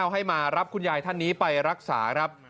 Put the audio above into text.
ให้มารับคุณยายท่านนี้ไปรักษาครับ